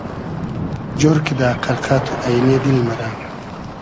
جۉر کیدہ قئرقۂ تو اݷنې دیل مئرۂ